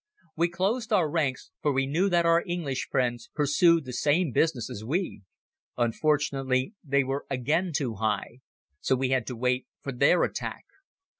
We closed our ranks for we knew that our English friends pursued the same business as we. Unfortunately, they were again too high. So we had to wait for their attack.